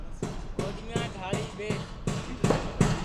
گوڈِؔیاں ڈؔݪی ٻیس